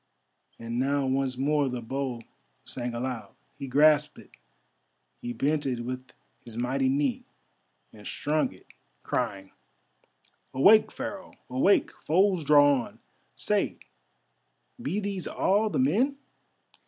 And now once more the bow sang aloud. He grasped it, he bent it with his mighty knee, and strung it, crying: "Awake, Pharaoh, awake! Foes draw on. Say, be these all the men?"